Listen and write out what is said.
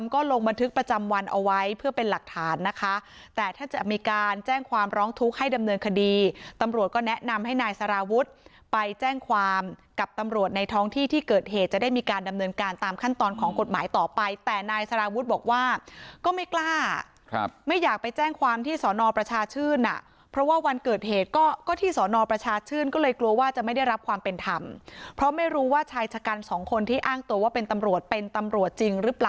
ก็ลงบันทึกประจำวันเอาไว้เพื่อเป็นหลักฐานนะคะแต่ถ้าจะมีการแจ้งความร้องทุกข์ให้ดำเนินคดีตำรวจก็แนะนำให้นายสาราวุฒิไปแจ้งความกับตำรวจในท้องที่ที่เกิดเหตุจะได้มีการดำเนินการตามขั้นตอนของกฎหมายต่อไปแต่นายสาราวุฒิบอกว่าก็ไม่กล้าครับไม่อยากไปแจ้งความที่สภประชาช